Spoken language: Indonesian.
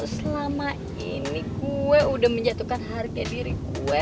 selama ini gue udah menjatuhkan harga diri gue